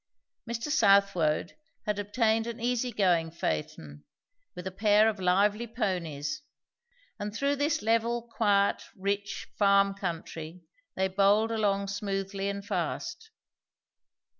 Mr. Southwode had obtained an easy going phaeton, with a pair of lively ponies; and through this level, quiet, rich, farm country they bowled along smoothly and fast.